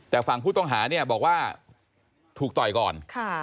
แต่ฝั่งผู้ต้องหาเนี่ยบอกว่าถูกต่อยก่อน